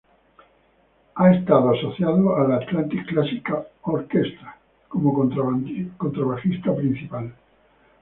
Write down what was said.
Él ha estado asociado a la Atlantic Classical Orchestra como contrabajista principal.